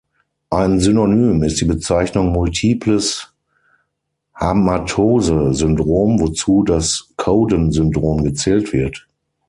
Ein Synonym ist die Bezeichnung multiples Hamartose-Syndrom, wozu das Cowden-Syndrom gezählt wird.